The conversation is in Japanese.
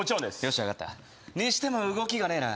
しわかったにしても動きがねえな